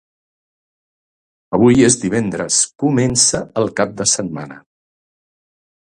avui és divendres, comença el cap de setmana.